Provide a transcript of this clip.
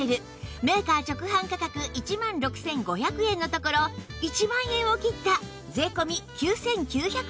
メーカー直販価格１万６５００円のところ１万円を切った税込９９００円です